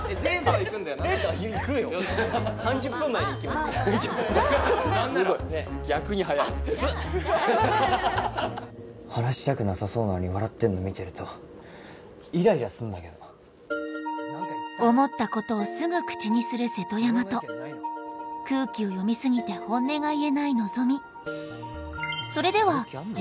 ３０分前に行きます３０分前すごい逆に早いアッツ話したくなさそうなのに笑ってんの見てるとイライラすんだけど思ったことをすぐ口にする瀬戸山と空気を読みすぎて本音が言えない希美